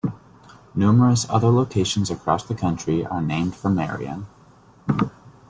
Numerous other locations across the country are named for Marion.